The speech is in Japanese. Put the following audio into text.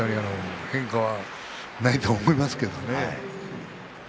変化はないと思いますけどね。